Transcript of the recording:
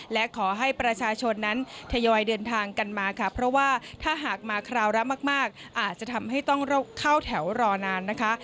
และขอให้ประชาชนนั้นทยอยเดินทางกันมาค่ะเพราะว่าถ้าหากมาคราวละมากอาจจะทำให้ต้องเข้าแถวรอนานนะคะ